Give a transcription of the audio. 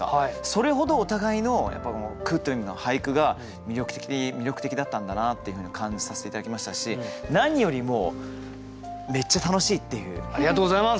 それほどお互いの句というのが俳句が魅力的だったんだなっていうふうに感じさせて頂きましたし何よりもありがとうございます！